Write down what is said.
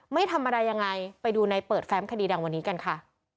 ไม่ทำอะไรยังไงไปดูในเปิดแฟมคดีดังวันนี้กันค่ะ